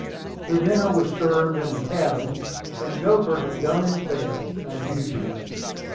The dinner was served in the cabin, and Gopher had done his best, as usual.